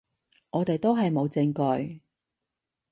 我哋都係冇證據